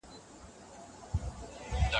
خدای به راولي دا ورځي زه به اورم په وطن کي